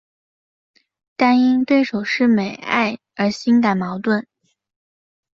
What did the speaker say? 但因对手是美爱而心感矛盾。